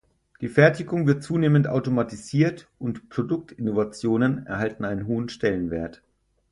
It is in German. Die Fertigung wird zunehmend automatisiert und Produktinnovationen erhalten einen hohen Stellenwert.